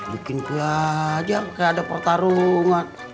bikin kue aja apa kayak ada pertarungan